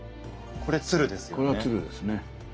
これは鶴ですね。